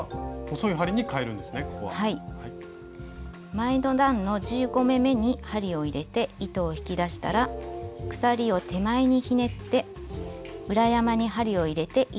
前の段の１５目めに針を入れて糸を引き出したら鎖を手前にひねって裏山に針を入れて糸を引き出します。